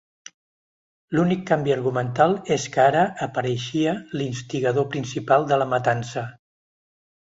L'únic canvi argumental és que ara apareixia l'instigador principal de la matança.